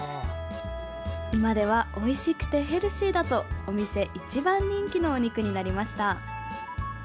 今では、おいしくてヘルシーだとお店一番人気のお肉になりました。